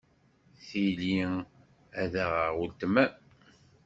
Tili ad aɣeɣ weltma-m.